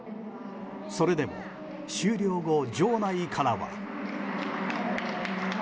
それでも終了後、場内からは。